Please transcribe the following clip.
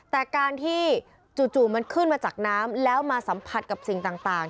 แต่การที่จู่มันขึ้นมาจากน้ำแล้วมาสัมผัสกับสิ่งต่าง